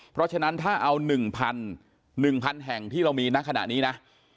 เพราะฉะนั้นถ้าเอา๑๐๐๑๐๐แห่งที่เรามีณขณะนี้นะ